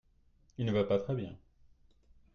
Il ne va pas très bien.